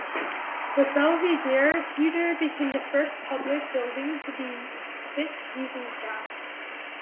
The Belvidere Theatre became the first public building to be lit using gas.